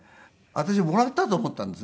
私はもらったと思ったんですね。